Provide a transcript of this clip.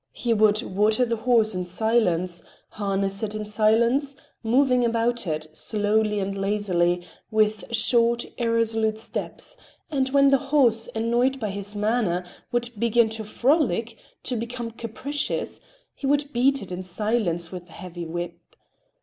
He would water the horse in silence, harness it in silence, moving about it, slowly and lazily, with short, irresolute steps, and when the horse, annoyed by his manner, would begin to frolic, to become capricious, he would beat it in silence with a heavy whip.